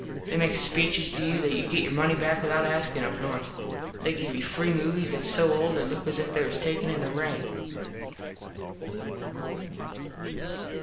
They make speeches to you that youd get your money back without askin up north. They give you free movies thats so old they look as if they was taken in the rain.